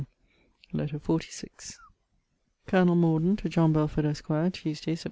] LETTER XLVI COLONEL MORDEN, TO JOHN BELFORD, ESQ. TUESDAY, SEPT.